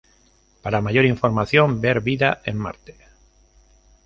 Para mayor información, ver Vida en Marte.